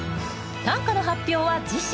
短歌の発表は次週。